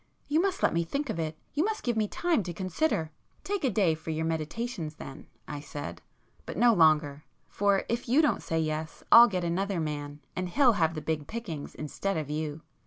You must let me think of it—you must give me time to consider——" "Take a day for your meditations then," I said—"But no longer. For if you don't say yes, I'll get another man, and he'll have the big pickings instead of you!